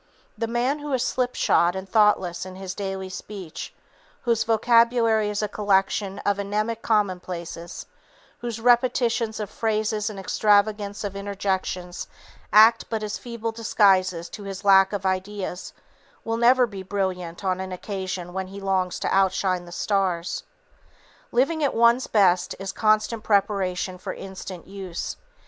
The man who is slipshod and thoughtless in his daily speech, whose vocabulary is a collection of anaemic commonplaces, whose repetitions of phrases and extravagance of interjections act but as feeble disguises to his lack of ideas, will never be brilliant on an occasion when he longs to outshine the stars. Living at one's best is constant preparation for instant use.